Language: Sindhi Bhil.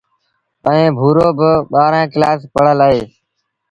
ائيٚݩ ڀورو با ٻآهرآݩ ڪلآس پڙهل اهي۔